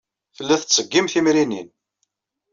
Tella tettṣeggim timrinin.